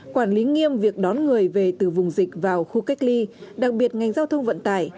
quản lý nghiêm việc đón người về từ vùng dịch vào khu cách ly đặc biệt ngành giao thông vận tải